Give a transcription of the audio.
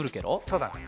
そうだね。